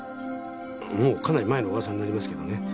もうかなり前の噂になりますけどね。